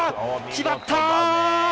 決まった！